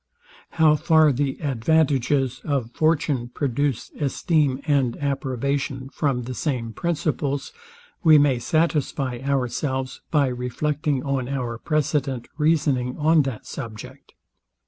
How far the advantages of fortune produce esteem and approbation from the same principles, we may satisfy ourselves by reflecting on our precedent reasoning on that subject.